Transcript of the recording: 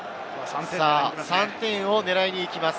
３点を狙いにいきます。